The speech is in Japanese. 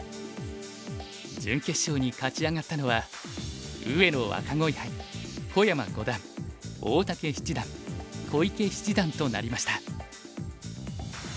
準決勝に勝ち上がったのは上野若鯉杯小山五段大竹七段小池七段となりました。